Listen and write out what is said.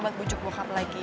buat bujuk bokap lagi